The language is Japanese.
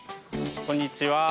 こんにちは。